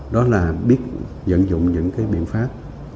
đó là biết dẫn dụng những biện pháp